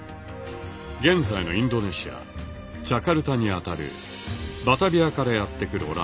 現在のインドネシアジャカルタに当たるバタビアからやって来る